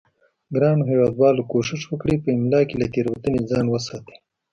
ګرانو هیوادوالو کوشش وکړئ په املا کې له تیروتنې ځان وساتئ